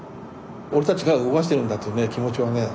俺たちが動かしてるんだというね気持ちはね